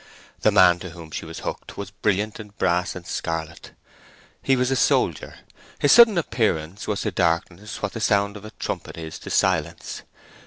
The man to whom she was hooked was brilliant in brass and scarlet. He was a soldier. His sudden appearance was to darkness what the sound of a trumpet is to silence.